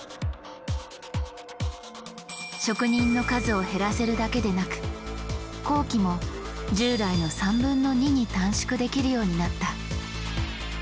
職人の数を減らせるだけでなく工期も従来のに短縮できるようになった。